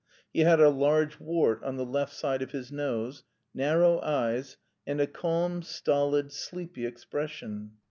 He had a large wart on the left side of his nose; narrow eyes, and a calm, stolid, sleepy expression.